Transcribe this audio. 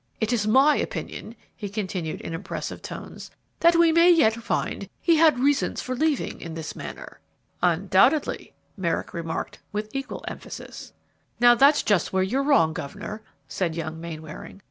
It is my opinion," he continued, in impressive tones, "that we will yet find he had reasons for leaving in this manner." "Undoubtedly!" Merrick replied, with equal emphasis. "Now, that's just where you're wrong, governor," said young Mainwaring.